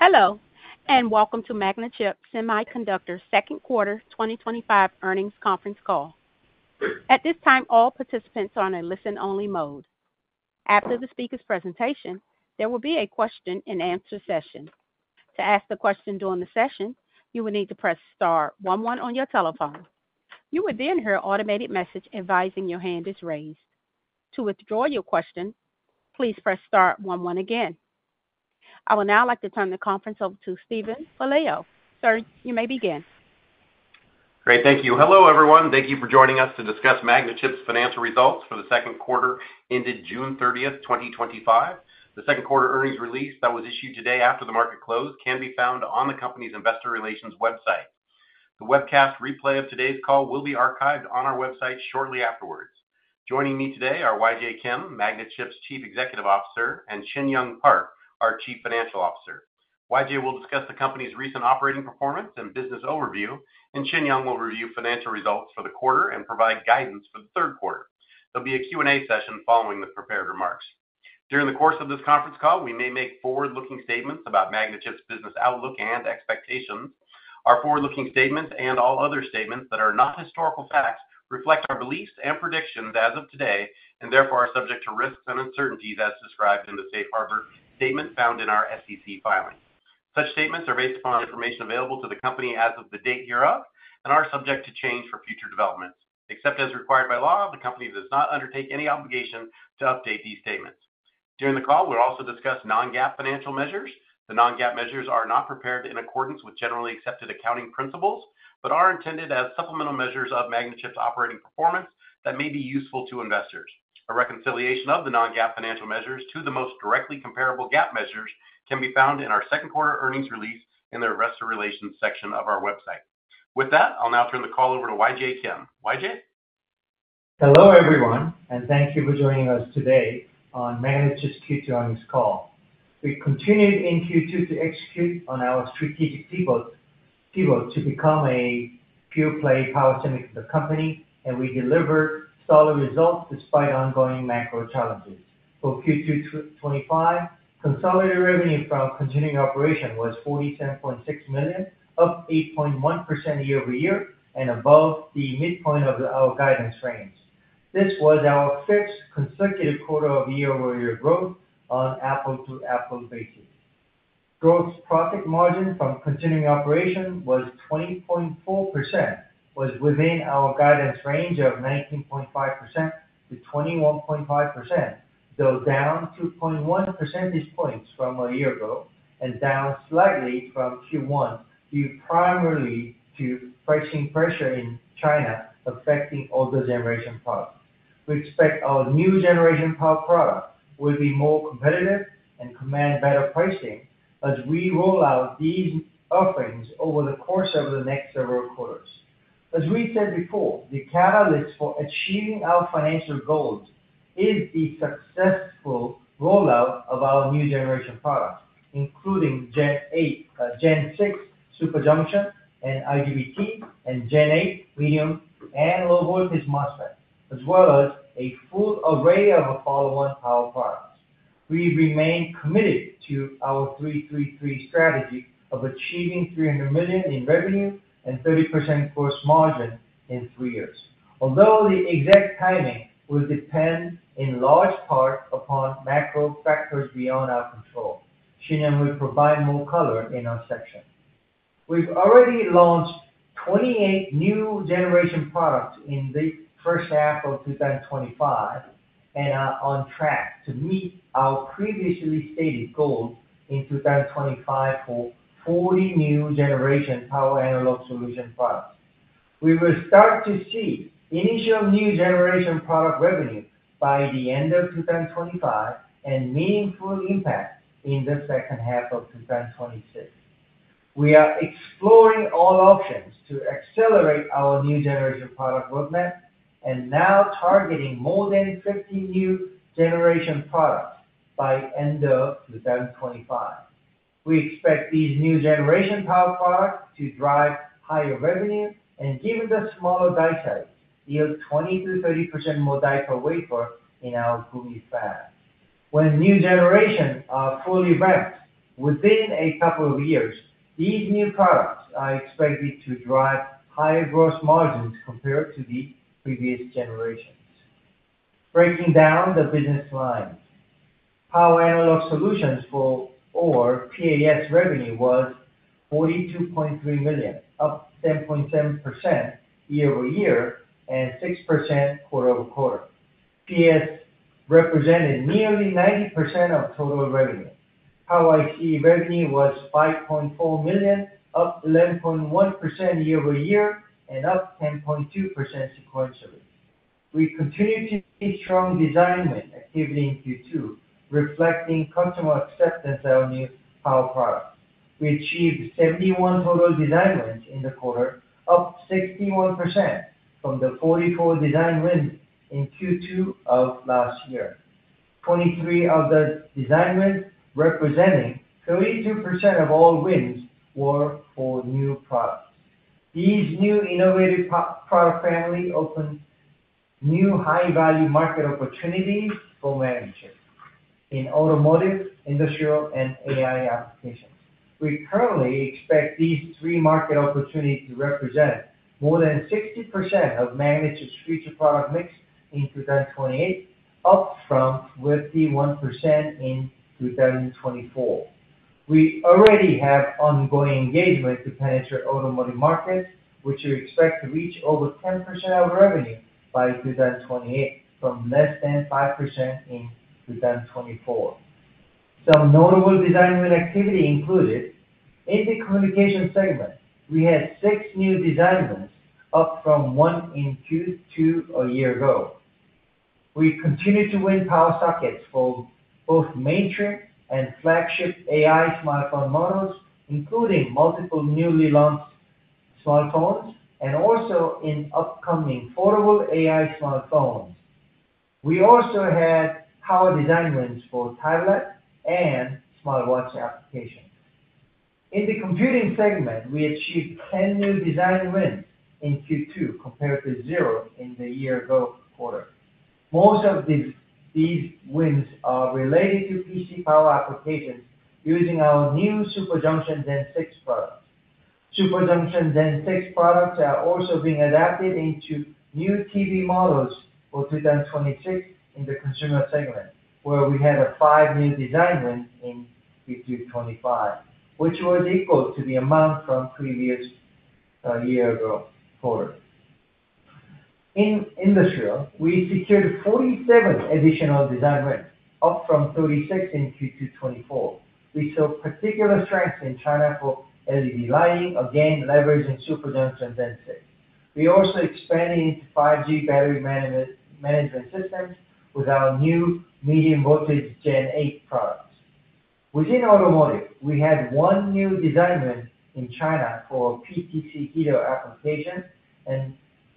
Hello, and welcome to Magnachip Semiconductor Second Quarter 2025 Earnings Conference Call. At this time, all participants are on a listen-only mode. After the speaker's presentation, there will be a question-and-answer session. To ask a question during the session, you will need to press star one, one on your telephone. You will then hear an automated message advising your hand is raised. To withdraw your question, please press star one, one again. I would now like to turn the conference over to Steven Pelayo. Sir, you may begin. Great, thank you. Hello, everyone. Thank you for joining us to discuss Magnachip financial results for the second quarter ended June 30, 2025. The second quarter earnings release that was issued today after the market closed can be found on the company's Investor Relations website. The webcast replay of today's call will be archived on our website shortly afterwards. Joining me today are YJ Kim, Magnachip Chief Executive Officer, and Shin Young Park, our Chief Financial Officer. YJ will discuss the company's recent operating performance and business overview, and Shin Young will review financial results for the quarter and provide guidance for the third quarter. There will be a Q&A session following the prepared remarks. During the course of this conference call, we may make forward-looking statements about Magnachip business outlook and expectations. Our forward-looking statements and all other statements that are not historical facts reflect our beliefs and predictions as of today and therefore are subject to risks and uncertainties as described in the Safe Harbor statement found in our SEC filing. Such statements are based upon information available to the company as of the date hereof and are subject to change for future developments. Except as required by law, the company does not undertake any obligation to update these statements. During the call, we'll also discuss non-GAAP financial measures. The non-GAAP measures are not prepared in accordance with generally accepted accounting principles but are intended as supplemental measures of Magnachip Semiconductor Corporation's operating performance that may be useful to investors. A reconciliation of the non-GAAP financial measures to the most directly comparable GAAP measures can be found in our second quarter earnings release in the Investor Relations section of our website. With that, I'll now turn the call over to YJ Kim. YJ? Hello, everyone, and thank you for joining us today on Magnachip's Q2 earnings call. We continued in Q2 to execute on our strategic pivot to become a pure-play power semiconductor company, and we delivered solid results despite ongoing macro challenges. For Q2 2025, consolidated revenue for our continuing operation was $47.6 million, up 8.1% year-over-year and above the midpoint of our guidance range. This was our sixth consecutive quarter of year-over-year growth on an apples-to-apples basis. Gross profit margin from continuing operation was 20.4%, which was within our guidance range of 19.5%-21.5%, still down 2.1 percentage points from a year ago and down slightly from Q1 due primarily to pricing pressure in China affecting older-generation power. We expect our new generation power products will be more competitive and command better pricing as we roll out these offerings over the course of the next several quarters. As we said before, the catalyst for achieving our financial goals is the successful rollout of our new generation products, including Gen 6 superjunction and IGBT, and Gen 8 medium and low-voltage MOSFET, as well as a full array of follow-on power products. We remain committed to our 3-3-3 strategy of achieving $300 million in revenue and 30% gross margin in three years. Although the exact timing will depend in large part upon macro factors beyond our control, Shin Young Park will provide more color in our section. We've already launched 28 new generation products in the first half of 2025 and are on track to meet our previously stated goal in 2025 for 40 new generation Power Analog Solutions products. We will start to see initial new generation product revenue by the end of 2025 and meaningful impact in the second half of 2026. We are exploring all options to accelerate our new generation product roadmap and now targeting more than 50 new generation products by end of 2025. We expect these new generation power products to drive higher revenue and give us a smaller die size, yield 20%-30% more die per wafer in our cookie size. When new generations are fully ramped, within a couple of years, these new products are expected to drive higher gross margins compared to the previous generations. Breaking down the business line, PAS revenue was $42.3 million, up 10.7% year-over-year and 6% quarter-over-quarter. PAS represented nearly 90% of total revenue. Power IP revenue was $5.4 million, up 11.1% year-over-year and up 10.2% sequentially. We continued in strong design win activity in Q2, reflecting customer acceptance of new power products. We achieved 71 total design wins in the quarter, up 61% from the 44 design wins in Q2 of last year. Twenty-three of the design wins represented 30% of all wins for new products. These new innovative power families open new high-value market opportunities for Magnachip in automotive, industrial, and AI applications. We currently expect these three market opportunities to represent more than 60% of Magnachip's future product mix in 2028, up from 51% in 2024. We already have ongoing engagement to penetrate the automotive market, which we expect to reach over 10% of revenue by 2028, from less than 5% in 2024. Some notable design win activity included in the communication segment. We had six new design wins, up from one in Q2 a year ago. We continue to win power sockets for both mainstream and flagship AI smartphone models, including multiple newly launched smartphones and also in upcoming portable AI smartphones. We also had power design wins for tablets and smartwatch applications. In the computing segment, we achieved 10 new design wins in Q2 compared to zero in the year-ago quarter. Most of these wins are related to PC power applications using our new superjunction Gen 6 products. Superjunction Gen 6 products are also being adapted into new TV models for 2026 in the consumer segment, where we had five new design wins in Q2 2025, which was equal to the amount from previous year-ago quarter. In industrial, we secured 47 additional design wins, up from 36 in Q2 2024. We saw particular strength in China for LED lighting, again leveraging superjunction Gen 6. We also expanded into 5G battery management systems with our new medium voltage Gen 8 products. Within automotive, we had one new design win in China for PTC heater applications and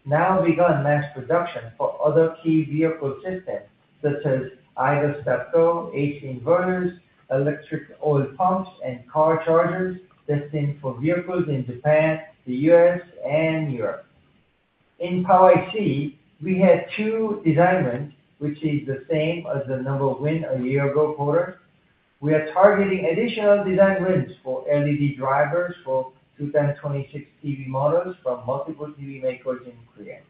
now begun mass production for other key vehicle systems, such as idle step stoves, AC inverters, electric oil pumps, and car chargers destined for vehicles in Japan, the U.S., and Europe. In Power IP, we had two design wins, which is the same as the number of wins in the year-ago quarter. We are targeting additional design wins for LED drivers for 2026 TV models from multiple TV makers in Korea.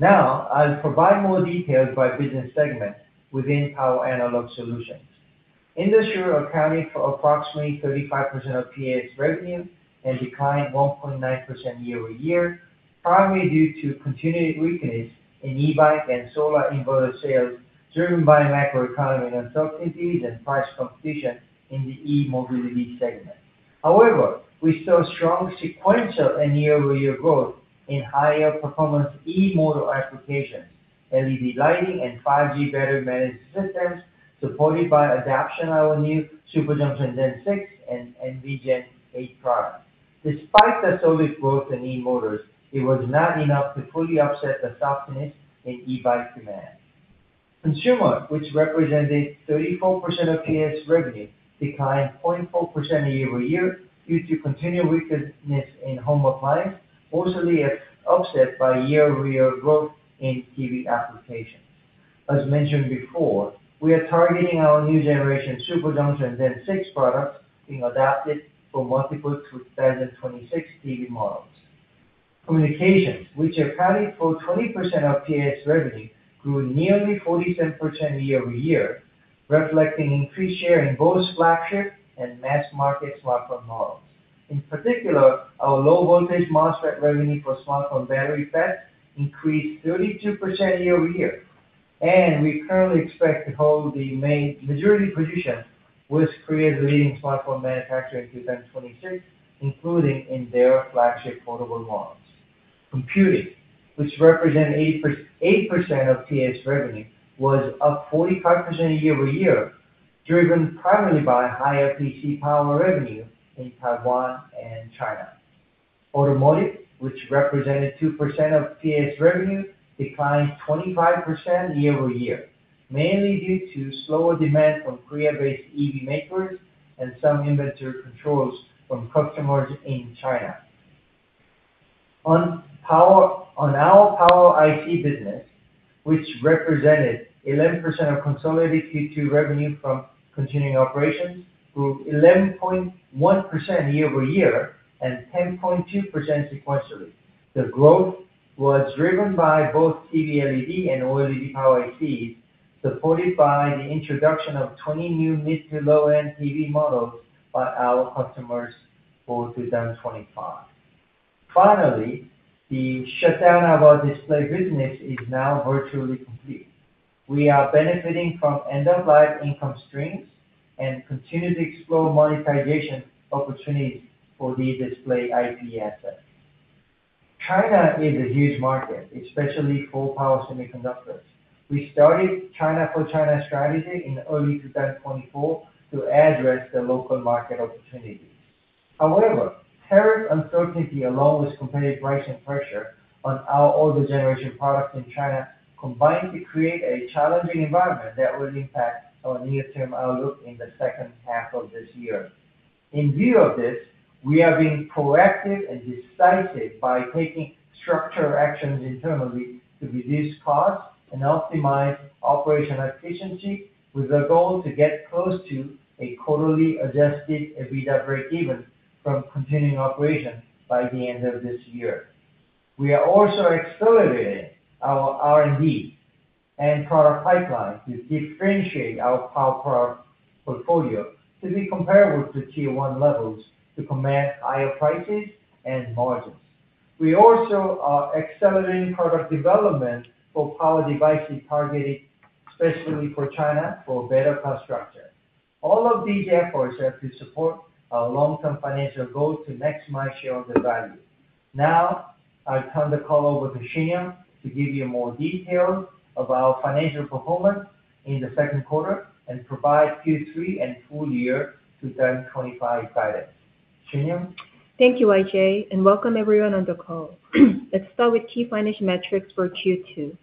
Now, I'll provide more details by business segment within Power Analog Solutions. Industrial accounting for approximately 35% of PAS revenue declined 1.9% year-over-year, partly due to continued weakness in e-bikes and solar inverter sales driven by macroeconomic uncertainties and price competition in the e-mobility segment. However, we saw strong sequential and year-over-year growth in higher performance e-motor applications, LED lighting, and 5G battery management systems supported by adoption of our new superjunction Gen 6 and NV Gen 8 products. Despite the solid growth in e-motors, it was not enough to fully offset the softness in e-bike demand. Consumer, which represented 34% of PAS revenue, declined 0.4% year-over-year due to continued weakness in home appliances, also being offset by year-over-year growth in TV applications. As mentioned before, we are targeting our new generation superjunction Gen 6 products being adapted for multiple 2026 TV models. Communication, which accounted for 20% of PAS revenue, grew nearly 47% year-over-year, reflecting increased share in both flagship and mass-market smartphone models. In particular, our low-voltage MOSFET revenue for smart home battery packs increased 32% year-over-year, and we currently expect to hold the majority position with Korea's leading smartphone manufacturer in 2026, including in their flagship portable models. Computing, which represented 8% of PAS revenue, was up 45% year-over-year, driven primarily by higher PC power revenue in Taiwan and China. Automotive, which represented 2% of PAS revenue, declined 25% year-over-year, mainly due to slower demand from Korea-based EV makers and some inventory controls from customers in China. On our Power IP business, which represented 11% of consolidated Q2 revenue from continuing operations, grew 11.1% year-over-year and 10.2% sequentially. The growth was driven by both TV LED and OLED power IPs, supported by the introduction of 20 new mid-to-low-end TV models by our customers for 2025. Finally, the shutdown of our display business is now virtually complete. We are benefiting from end-of-life income streams and continue to explore monetization opportunities for the display IP assets. China is a huge market, especially for power semiconductors. We started China for China strategy in early 2024 to address the local market opportunities. However, tariff uncertainty, along with competitive pricing pressure on our older generation products in China, combine to create a challenging environment that will impact our near-term outlook in the second half of this year. In view of this, we are being proactive and decisive by taking structural actions internally to reduce costs and optimize operational efficiency with the goal to get close to a quarterly adjusted EBITDA breakeven from continuing operation by the end of this year. We are also accelerating our R&D and product pipeline to differentiate our power product portfolio to be comparable to tier-one levels to command higher prices and margins. We also are accelerating product development for power devices targeted specifically for China for better cost structure. All of these efforts have to support our long-term financial goals to maximize shareholder value. Now, I'll turn the call over to Shin Young to give you more details about financial performance in the second quarter and provide Q3 and full year 2025 guidance. Thank you, YJ, and welcome everyone on the call. Let's start with key financial metrics for Q2.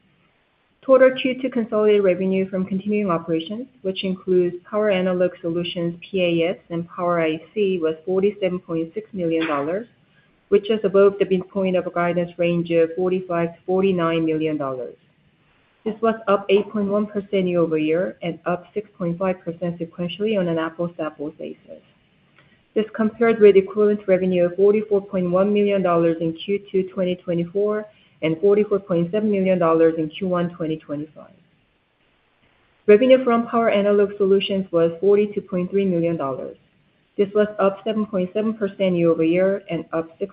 Total Q2 consolidated revenue from continuing operations, which includes Power Analog Solutions PAS and Power IP, was $47.6 million, which is above the midpoint of a guidance range of $45 million-$49 million. This was up 8.1% year-over-year and up 6.5% sequentially on an apples-to-apples basis. This compared with equivalent revenue of $44.1 million in Q2 2024 and $44.7 million in Q1 2025. Revenue from Power Analog Solutions was $42.3 million. This was up 7.7% year-over-year and up 6%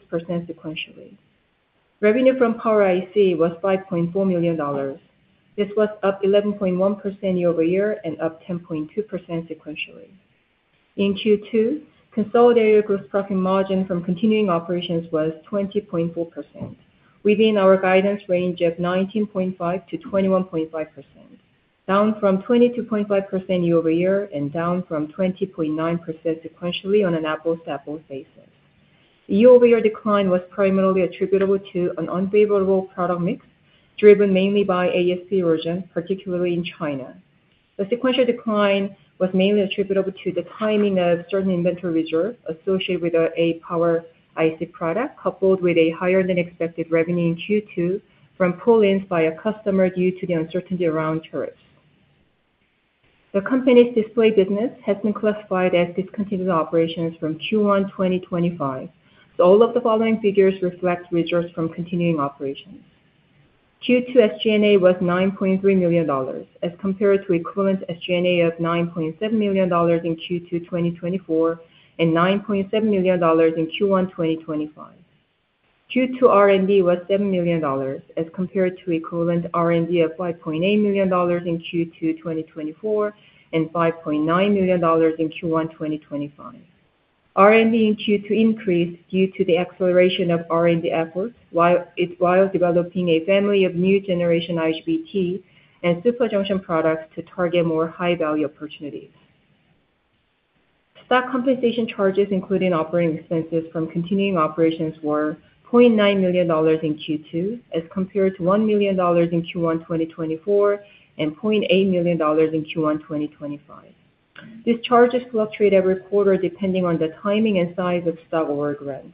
sequentially. Revenue from Power IP was $5.4 million. This was up 11.1% year-over-year and up 10.2% sequentially. In Q2, consolidated gross profit margin from continuing operations was 20.4%, within our guidance range of 19.5%-21.5%, down from 22.5% year-over-year and down from 20.9% sequentially on an apples-to-apples basis. The year-over-year decline was primarily attributable to an unfavorable product mix, driven mainly by ASP erosion, particularly in China. The sequential decline was mainly attributable to the timing of certain inventory reserves associated with a Power IP product, coupled with a higher than expected revenue in Q2 from pull-ins by a customer due to the uncertainty around tariffs. The company's display business has been classified as discontinued operations from Q1 2025. All of the following figures reflect results from continuing operations. Q2 SG&A was $9.3 million as compared to equivalent SG&A of $9.7 million in Q2 2024 and $9.7 million in Q1 2025. Q2 R&D was $7 million as compared to equivalent R&D of $5.8 million in Q2 2024 and $5.9 million in Q1 2025. R&D in Q2 increased due to the acceleration of R&D efforts while developing a family of new generation IGBT and superjunction products to target more high-value opportunities. Stock compensation charges, including operating expenses from continuing operations, were $0.9 million in Q2 as compared to $1 million in Q1 2024 and $0.8 million in Q1 2025. These charges fluctuate every quarter depending on the timing and size of stock overruns.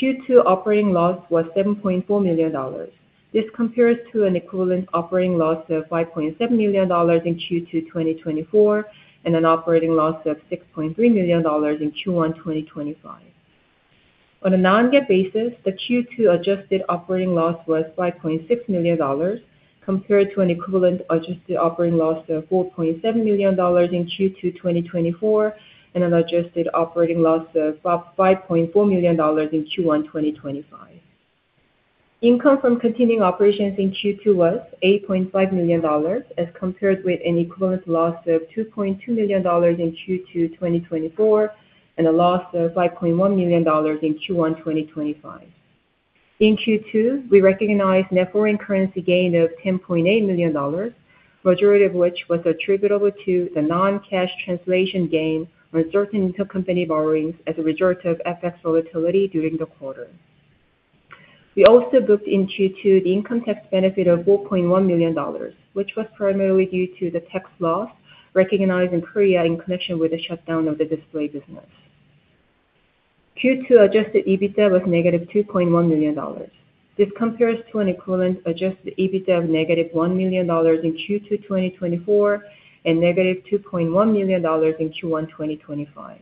Q2 operating loss was $7.4 million. This compares to an equivalent operating loss of $5.7 million in Q2 2024 and an operating loss of $6.3 million in Q1 2025. On a non-GAAP basis, the Q2 adjusted operating loss was $5.6 million compared to an equivalent adjusted operating loss of $4.7 million in Q2 2024 and an adjusted operating loss of $5.4 million in Q1 2025. Income from continuing operations in Q2 was $8.5 million as compared with an equivalent loss of $2.2 million in Q2 2024 and a loss of $5.1 million in Q1 2025. In Q2, we recognized net foreign currency gain of $10.8 million, the majority of which was attributable to the non-cash translation gain on certain intercompany borrowings as a result of FX volatility during the quarter. We also booked in Q2 the income tax benefit of $4.1 million, which was primarily due to the tax law recognized in South Korea in connection with the shutdown of the display business. Q2 adjusted EBITDA was -$2.1 million. This compares to an equivalent adjusted EBITDA of -$1 million in Q2 2024 and -$2.1 million in Q1 2025.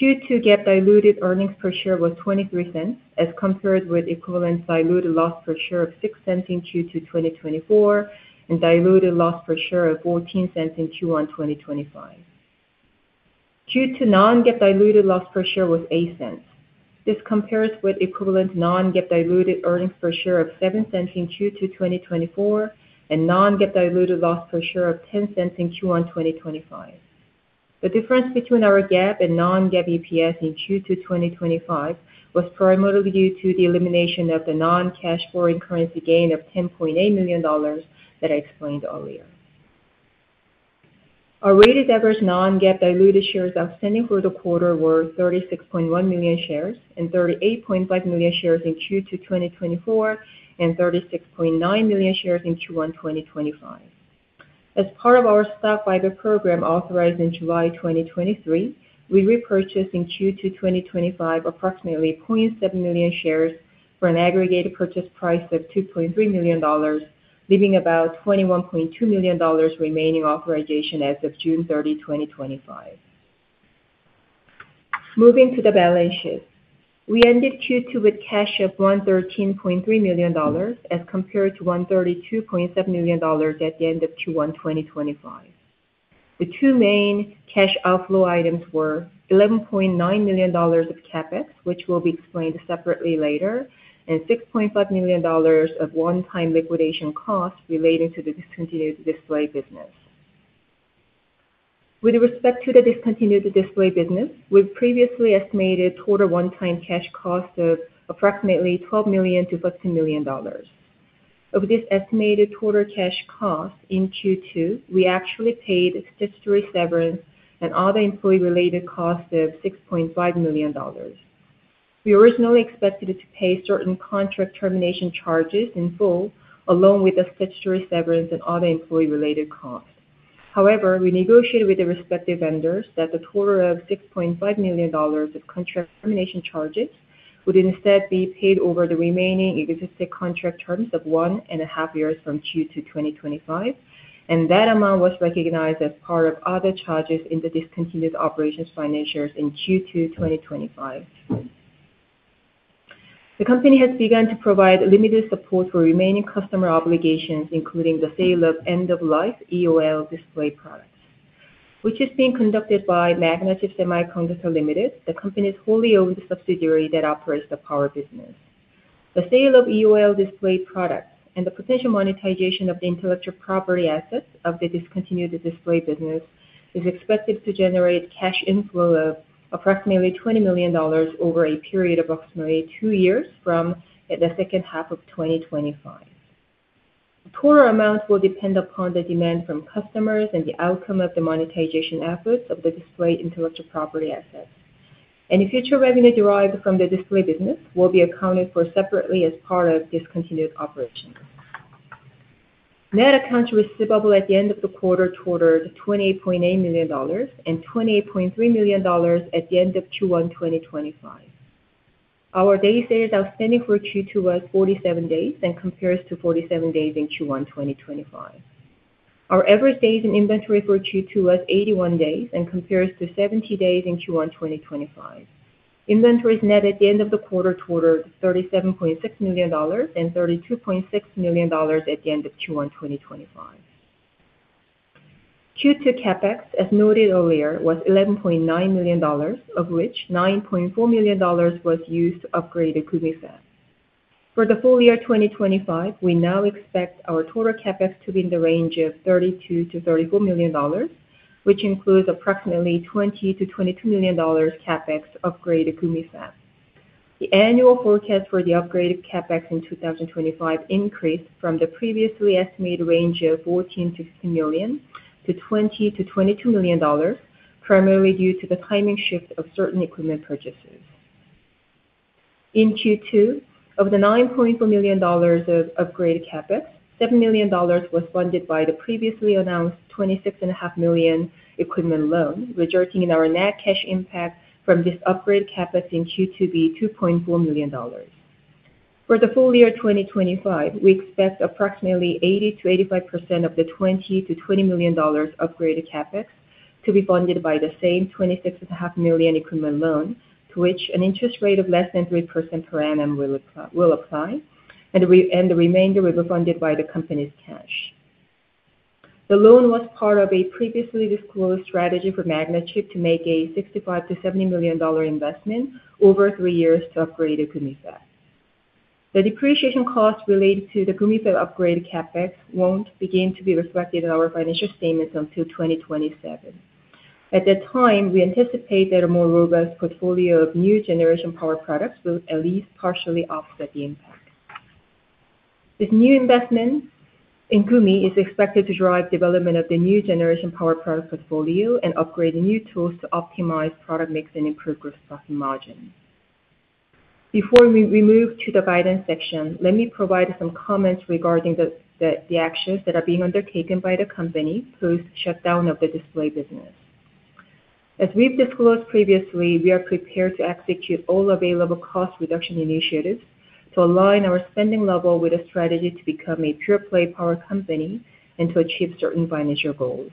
Q2 GAAP diluted earnings per share was $0.23 as compared with equivalent diluted loss per share of $0.06 in Q2 2024 and diluted loss per share of $0.14 in Q1 2025. Q2 non-GAAP diluted loss per share was $0.08. This compares with equivalent non-GAAP diluted earnings per share of $0.07 in Q2 2024 and non-GAAP diluted loss per share of $0.10 in Q1 2025. The difference between our GAAP and non-GAAP EPS in Q2 2025 was primarily due to the elimination of the non-cash foreign currency gain of $10.8 million that I explained earlier. Our weighted average non-GAAP diluted shares outstanding for the quarter were 36.1 million shares and 38.5 million shares in Q2 2024 and 36.9 million shares in Q1 2025. As part of our stock buyback program authorized in July 2023, we repurchased in Q2 2025 approximately 0.7 million shares for an aggregated purchase price of $2.3 million, leaving about $21.2 million remaining authorization as of June 30, 2025. Moving to the balance sheet, we ended Q2 with cash of $113.3 million as compared to $132.7 million at the end of Q1 2025. The two main cash outflow items were $11.9 million of CapEx, which will be explained separately later, and $6.5 million of one-time liquidation costs related to the discontinued display business. With respect to the discontinued display business, we previously estimated total one-time cash cost of approximately $12 million-$15 million. Of this estimated total cash cost in Q2, we actually paid statutory severance and other employee-related costs of $6.5 million. We originally expected to pay certain contract termination charges in full, along with the statutory severance and other employee-related costs. However, we negotiated with the respective vendors that the total of $6.5 million of contract termination charges would instead be paid over the remaining existing contract terms of one and a half years from Q2 2025, and that amount was recognized as part of other charges in the discontinued operations financials in Q2 2025. The company has begun to provide limited support for remaining customer obligations, including the sale of end-of-life EOL display products, which is being conducted by Magnachip Semiconductor Limited, the company's wholly owned subsidiary that operates the power business. The sale of EOL display products and the potential monetization of the intellectual property assets of the discontinued display business is expected to generate cash inflow of approximately $20 million over a period of approximately two years from the second half of 2025. The total amount will depend upon the demand from customers and the outcome of the monetization efforts of the display intellectual property assets. Any future revenue derived from the display business will be accounted for separately as part of discontinued operations. Net accounts receivable at the end of the quarter totaled $28.8 million and $28.3 million at the end of Q1 2025. Our days outstanding for Q2 was 47 days and compares to 47 days in Q1 2025. Our average days in inventory for Q2 was 81 days and compares to 70 days in Q1 2025. Inventories net at the end of the quarter totaled $37.6 million and $32.6 million at the end of Q1 2025. Q2 CapEx, as noted earlier, was $11.9 million, of which $9.4 million was used to upgrade the cookie set. For the full year 2025, we now expect our total CapEx to be in the range of $32 million-$34 million, which includes approximately $20 million-$22 million CapEx to upgrade the cookie set. The annual forecast for the upgraded CapEx from 2025 increased from the previously estimated range of $14 million-$16 million-$20 million-$22 million, primarily due to the timing shift of certain equipment purchases. In Q2, of the $9.4 million of upgraded CapEx, $7 million was funded by the previously announced $26.5 million equipment loan, resulting in our net cash impact from this upgraded CapEx in Q2 being $2.4 million. For the full year 2025, we expect approximately 80%-85% of the $20 million to $20 million upgraded capital expenditures to be funded by the same $26.5 million equipment loan, to which an interest rate of less than 3% per annum will apply, and the remainder will be funded by the company's cash. The loan was part of a previously disclosed strategy for Magnachip to make a $65 million-$70 million investment over three years to upgrade the cookie set. The depreciation costs related to the cookie set's upgraded capital expenditures won't begin to be reflected in our financial statements until 2027. At that time, we anticipate that a more robust portfolio of new generation power products will at least partially offset the impact. This new investment in cookie sets is expected to drive the development of the new generation power product portfolio and upgrade the new tools to optimize product mix and improve gross profit margins. Before we move to the guidance section, let me provide some comments regarding the actions that are being undertaken by the company post shutdown of the display business. As we've disclosed previously, we are prepared to execute all available cost reduction initiatives to align our spending level with a strategy to become a pure-play power company and to achieve certain financial goals.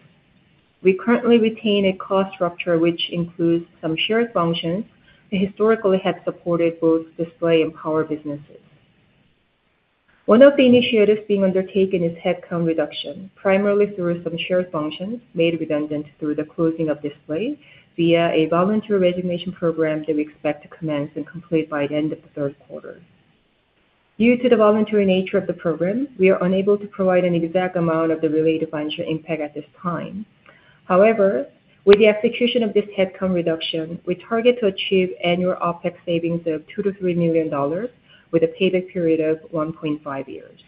We currently retain a cost structure, which includes some shared functions that historically have supported both display and power businesses. One of the initiatives being undertaken is headcount reduction, primarily through some shared functions made redundant through the closing of display via a voluntary resignation program that we expect to commence and complete by the end of the third quarter. Due to the voluntary nature of the program, we are unable to provide an exact amount of the related financial impact at this time. However, with the execution of this headcount reduction, we target to achieve annual operating expense savings of $2 million-$3 million with a payback period of 1.5 years.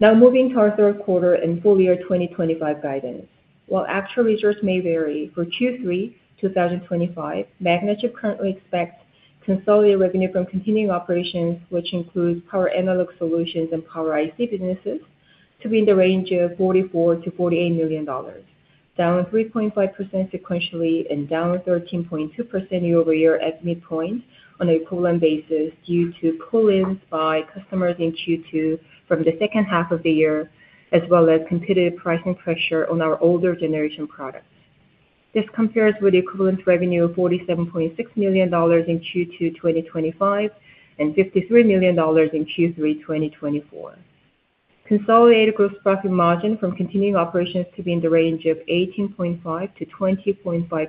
Now, moving to our third quarter and full year 2025 guidance. While actual results may vary for Q3 2025, Magnachip currently expects consolidated revenue from continuing operations, which includes Power Analog Solutions and power IC businesses, to be in the range of $44 million-$48 million, down 3.5% sequentially and down 13.2% year-over-year at midpoint on an equivalent basis due to pull-ins by customers in Q2 from the second half of the year, as well as competitive pricing pressure on our older generation products. This compares with equivalent revenue of $47.6 million in Q2 2025 and $53 million in Q3 2024. Consolidated gross profit margin from continuing operations to be in the range of 18.5%-20.5%.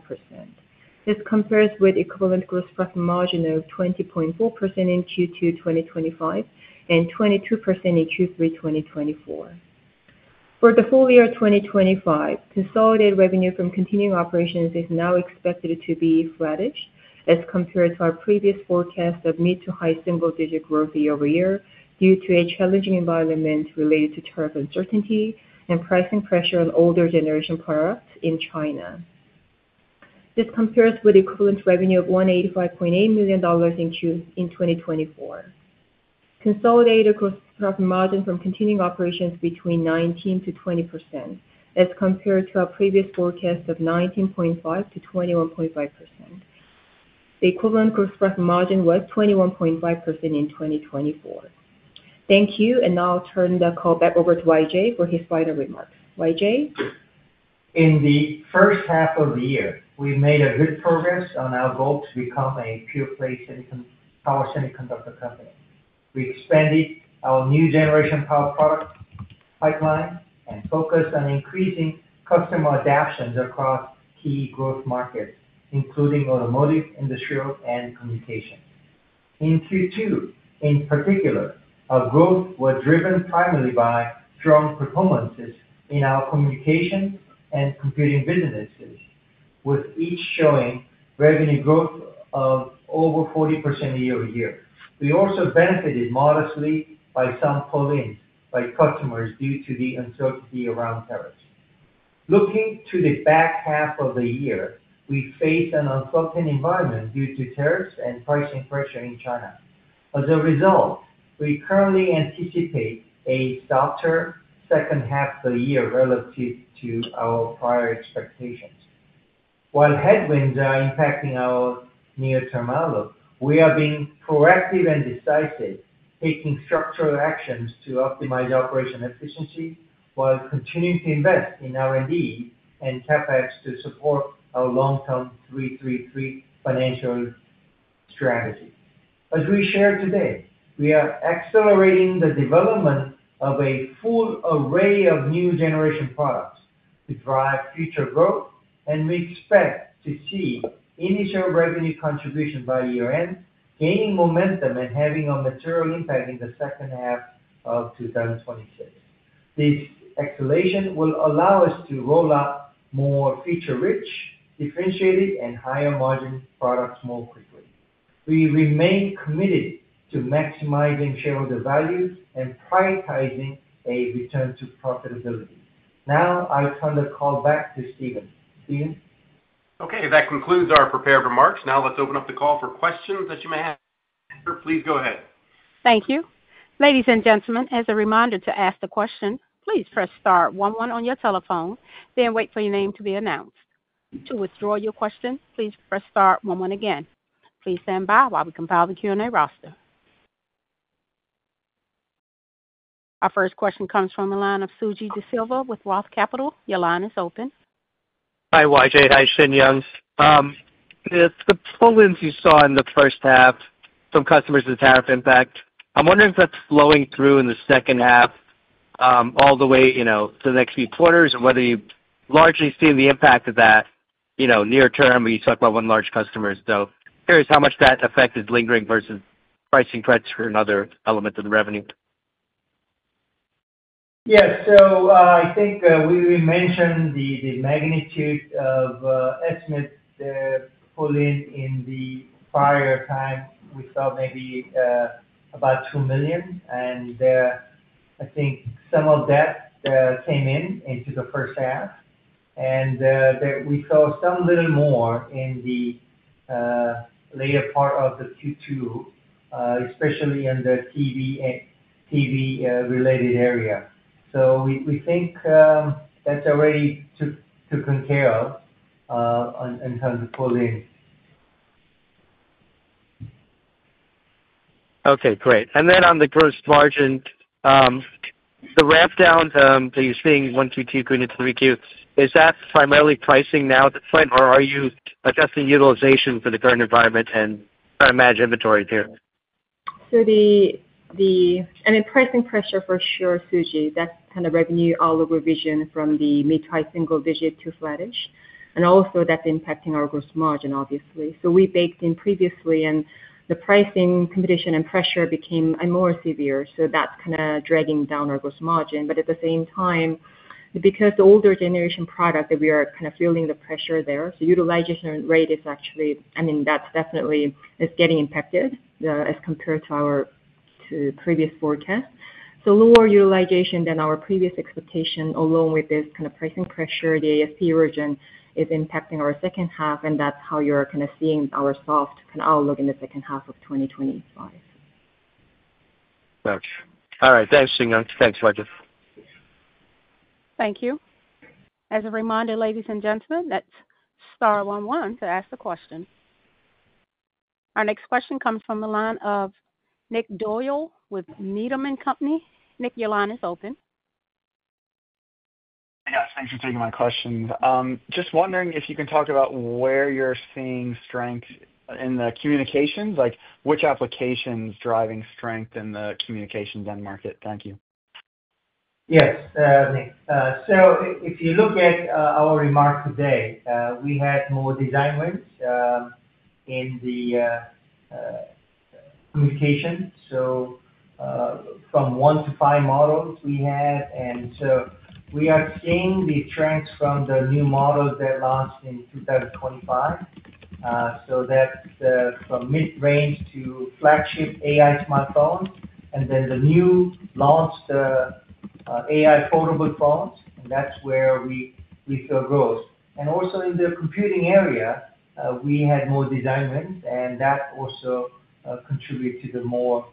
This compares with equivalent gross profit margin of 20.4% in Q2 2025 and 22% in Q3 2024. For the full year 2025, consolidated revenue from continuing operations is now expected to be flattish as compared to our previous forecast of mid to high single-digit growth year-over-year due to a challenging environment related to tariff uncertainty and pricing pressure on older generation products in China. This compares with equivalent revenue of $185.8 million in Q2 2024. Consolidated gross profit margin from continuing operations is between 19%-20% as compared to our previous forecast of 19.5%-21.5%. The equivalent gross profit margin was 21.5% in 2024. Thank you, and now I'll turn the call back over to YJ for his final remarks. YJ? In the first half of the year, we made good progress on our goal to become a pure-play power semiconductor company. We expanded our new generation power product pipeline and focused on increasing customer adoptions across key growth markets, including automotive, industrial, and communication. In Q2, in particular, our growth was driven primarily by strong performances in our communication and computing businesses, with each showing revenue growth of over 40% year-over-year. We also benefited modestly by some poolings by customers due to the uncertainty around tariffs. Looking to the back half of the year, we faced an uncertain environment due to tariffs and pricing pressure in China. As a result, we currently anticipate a softer second half of the year relative to our prior expectations. While headwinds are impacting our near-term outlook, we have been proactive and decisive, taking structural actions to optimize operational efficiency while continuing to invest in R&D and CapEx to support our long-term 3-3-3 financial strategy. As we shared today, we are accelerating the development of a full array of new generation products to drive future growth and we expect to see initial revenue contributions by year-end, gaining momentum and having a material impact in the second half of 2026. This escalation will allow us to roll out more feature-rich, differentiated, and higher margin products more quickly. We remain committed to maximizing shareholder value and prioritizing a return to profitability. Now, I'll turn the call back to Steven. Steven. Okay, that concludes our prepared remarks. Now let's open up the call for questions that you may have. Please go ahead. Thank you. Ladies and gentlemen, as a reminder to ask a question, please press star one, one on your telephone, then wait for your name to be announced. To withdraw your question, please press star one, one again. Please stand by while we compile the Q&A roster. Our first question comes from a line of Suji Desilva with Roth Capital. Your line is open. Hi, YJ. Hi, Shin Young. The poolings you saw in the first half from customers and the tariff impact, I'm wondering if that's flowing through in the second half, all the way, you know, to the next few quarters and whether you've largely seen the impact of that, you know, near term, when you talk about one large customer. Curious how much that affected lingering versus pricing threats for another element of the revenue. Yes, I think we mentioned the magnitude of estimates that fall in the prior time. We thought maybe about $2 million, and I think some of that came into the first half. We saw a little more in the later part of Q2, especially in the TV and TV-related area. We think that's already taken care of, in terms of pooling. Okay, great. On the gross margin, the wrap-down that you're seeing Q2, Q3, Q2, is that primarily pricing now at this point, or are you adjusting utilization for the current environment and trying to manage inventory too? The pricing pressure for sure, Suji, that's kind of revenue all over vision from the mid-price single digit to flattish. That's impacting our gross margin, obviously. We baked in previously, and the pricing competition and pressure became more severe. That's kind of dragging down our gross margin. At the same time, because the older generation product that we are kind of feeling the pressure there, the utilization rate is actually, I mean, that's definitely getting impacted as compared to our previous forecast. Lower utilization than our previous expectation, along with this kind of pricing pressure, the SE erosion is impacting our second half, and that's how you're kind of seeing our soft kind of outlook in the second half of 2025. Gotcha. All right, thanks, Shin Young. Thanks, YJ. Thank you. Thank you. As a reminder, ladies and gentlemen, that's star one, one to ask a question. Our next question comes from a line of Nick Doyle with Needham & Company. Nick, your line is open. I know. Thanks for taking my question. Just wondering if you can talk about where you're seeing strength in the communications, like which applications are driving strength in the communications gen market. Thank you. Yes, Nick. If you look at our remarks today, we had more design wins in the communication. From one to five models we had, we are seeing the trends from the new models that launched in 2025. That's from mid-range to flagship AI smartphones, and the newly launched AI portable phones, and that's where we saw growth. Also, in the computing area, we had more design wins, and that also contributed to the more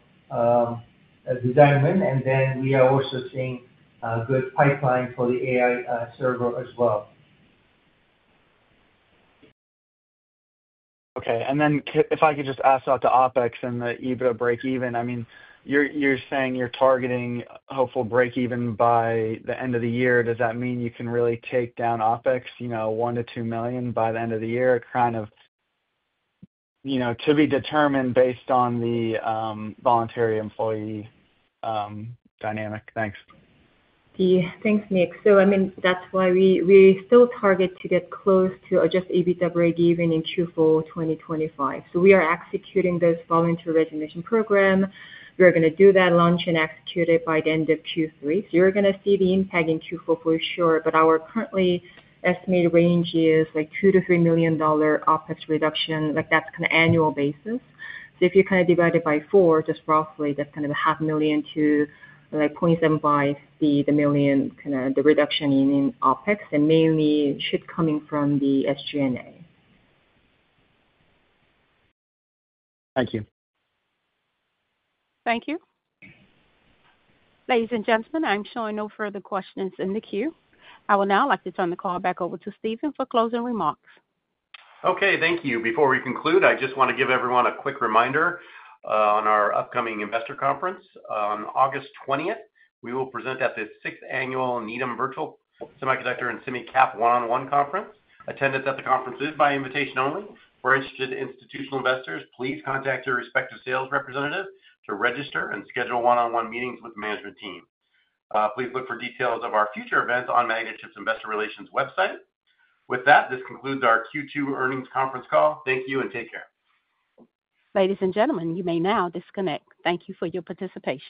design wins. We are also seeing a good pipeline for the AI server as well. Okay, and then if I could just ask about the OpEx and the EBITDA breakeven, I mean, you're saying you're targeting hopeful breakeven by the end of the year. Does that mean you can really take down OPEX, you know, $1 million-$2 million by the end of the year? Kind of, you know, to be determined based on the voluntary resignation program dynamic. Thanks. Thanks, Nick. That's why we still target to get close to adjusted EBITDA breakeven in Q4 2025. We are executing this voluntary resignation program. We are going to do that launch and execute it by the end of Q3. You're going to see the impact in Q4 for sure, but our currently estimated range is like $2 million-$3 million OPEX reduction, that's kind of an annual basis. If you kind of divide it by four, just roughly, that's kind of a $0.5 million-$0.75 million reduction in OpEx, and mainly should be coming from the SG&A. Thank you. Thank you. Ladies and gentlemen, I'm showing no further questions in the queue. I will now like to turn the call back over to Steven for closing remarks. Okay, thank you. Before we conclude, I just want to give everyone a quick reminder on our upcoming investor conference. On August 20th, we will present at the 6th Annual Needham Virtual Semiconductor & SemiCap 1×1 Conference. Attendance at the conference is by invitation only. For interested institutional investors, please contact your respective sales representative to register and schedule one-on-one meetings with the management team. Please look for details of our future events on Magnachip Investor Relations website. With that, this concludes our Q2 earnings conference call. Thank you and take care. Ladies and gentlemen, you may now disconnect. Thank you for your participation.